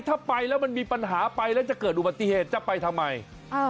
ถ้าไปแล้วมันมีปัญหาไปแล้วจะเกิดอุบัติเหตุจะไปทำไมอ่า